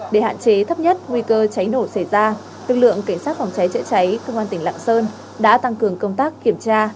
để hạn chế thấp nhất nguy cơ cháy nổ xảy ra lực lượng cảnh sát phòng cháy chữa cháy công an tỉnh lạng sơn đã tăng cường công tác kiểm tra